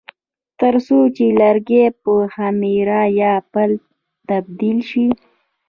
ترڅو چې لرګي پر خمیره یا پلپ تبدیل شي.